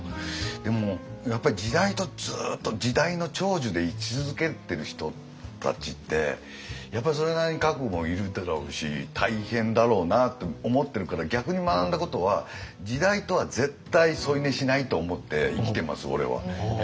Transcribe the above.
でもやっぱり時代とずっと時代の寵児で居続けてる人たちってやっぱそれなりに覚悟いるだろうし大変だろうなって思ってるから逆に学んだことは時代とは絶対添い寝しないと思って生きてます俺は。